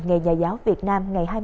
ngày nhà giáo việt nam ngày hai mươi